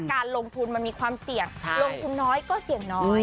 การลงทุนมันมีความเสี่ยงลงทุนน้อยก็เสี่ยงน้อย